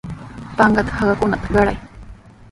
Panqata hakakunata qaray.